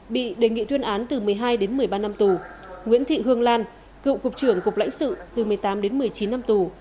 bị đề nghị tuyên án từ một mươi hai đến một mươi ba năm tù nguyễn thị hương lan cựu cục trưởng cục lãnh sự từ một mươi tám đến một mươi chín năm tù